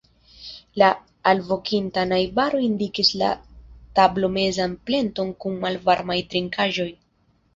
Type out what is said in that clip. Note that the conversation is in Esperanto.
La alvokinta najbaro indikis la tablomezan pleton kun malvarmaj trinkaĵoj.